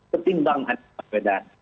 ketinggalan anis baswedan